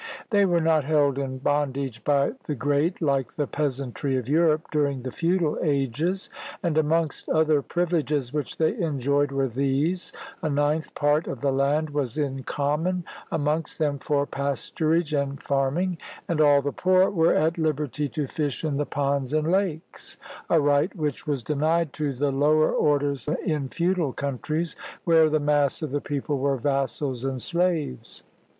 They were not held in bondage by the great, like the peasantry of Europe during the feudal ages, and amongst other privileges which they enjoyed were these : a ninth part of the land was in common amongst them for pasturage and farm ing, and all the poor were at liberty to j&sh in the ponds and lakes — a right which was denied to the lower orders in feudal countries, where the mass of the people were vassals and slaves.